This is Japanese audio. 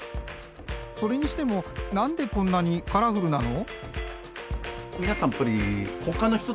それにしても何でこんなにカラフルなの？